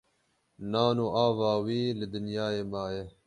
Nan û ava wî li dinyayê maye